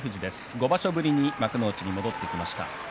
５場所ぶりに幕内に戻ってきました。